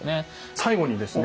最後にですね